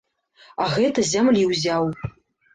А гэта зямлі ўзяў.